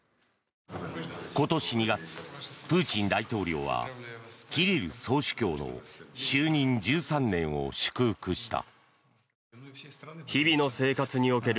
今年２月、プーチン大統領はキリル総主教の就任１３年を祝福した。